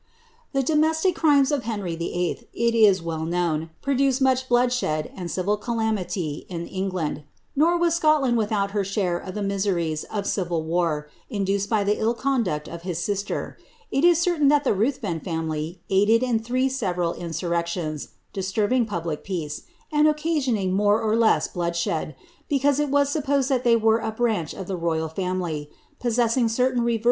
The domestic crimes of Henry VI II., it is well known, produced much bloodshed and civil calamity in England ; nor was Scotland with out her share of the miseries of civil war, induced by the ill conduct of his sister : it is certain that the Ruthven family aided in three several insurrections, disturbing public peace, and occasioning more or less bloodshed, because it was supposed that they were a branch of the royal family, possessing certain reversionary rights on the English birthright of James VI.